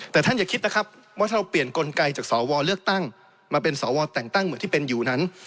แต่ท่านอย่าคิดนะครับว่าถ้าเราเปลี่ยนกลไกจากสวเลือกตั้งมาเป็นสวแต่งตั้งเหมือนที่เป็นอยู่นั้น